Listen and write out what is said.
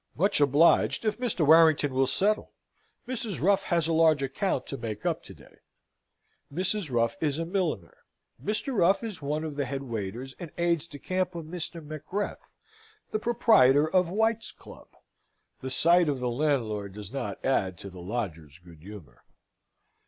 "Much obliged if Mr. Warrington will settle. Mrs. Ruff has a large account to make up to day." Mrs. Ruff is a milliner. Mr. Ruff is one of the head waiters and aides de camp of Mr. Mackreth, the proprietor of White's Club. The sight of the landlord does not add to the lodger's good humour.